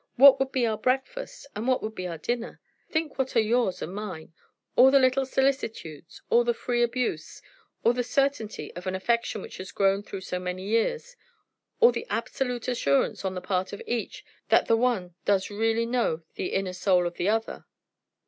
What would be our breakfast, and what would be our dinner? Think what are yours and mine, all the little solicitudes, all the free abuse, all the certainty of an affection which has grown through so many years; all the absolute assurance on the part of each that the one does really know the inner soul of the other."